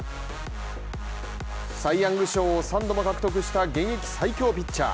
サイ・ヤング賞を３度獲得した現役最強ピッチャー。